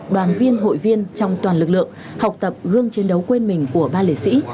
đoàn viên hội viên trong toàn lực lượng học tập gương chiến đấu quên mình của ba liệt sĩ